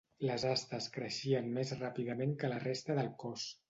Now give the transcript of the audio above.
Les astes creixien més ràpidament que la resta del cos.